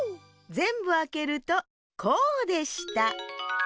ぜんぶあけるとこうでした。